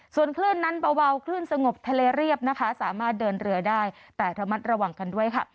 ส่วนคลื่นนั้นเบาคลื่นสงบทะเลเรียบนะคะสามารถเดินเรือได้แต่ระมัดระวังกันด้วยค่ะ